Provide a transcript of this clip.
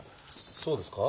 そうですか？